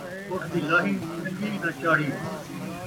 اٹھ دی لاہی چنڳی، نہ چاڑھی